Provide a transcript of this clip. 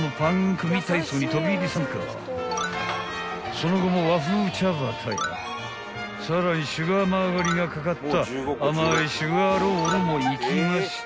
［その後も和風チャバタやさらにシュガーマーガリンがかかった甘いシュガーロールもいきまして］